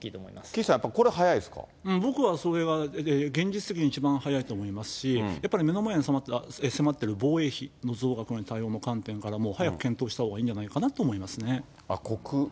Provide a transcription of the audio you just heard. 岸さん、僕はそれは現実的に一番早いと思いますし、やっぱり目の前に迫ってる防衛費の増額への対応の観点からも、早く検討したほうがいいんじゃないかなと思いますね。